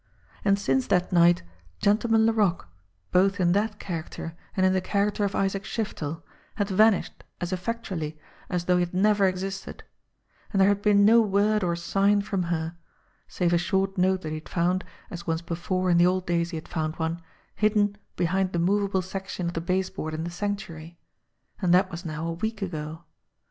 And since that night Gentle man Laroque, both in that character and in the character of Isaac Shiftel, had vanished as effectually as though he had never existed ; and there had been no word or sign from her, save a short note that he had found, as once before in the old days he had found one, hidden behind the movable section of the base board in the Sanctuary and that was now a week ago.